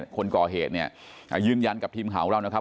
คนก่อเหตุเนี่ยยืนยันกับทีมข่าวของเรานะครับ